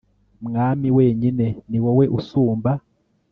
mwami wenyine ni wowe usumba